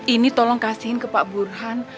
ini tolong kasihin ke pak burhan